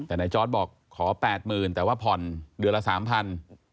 แต่ไหนจอร์ธบอกขอแปดหมื่นแต่ว่าผ่อนเดือนละสามพัน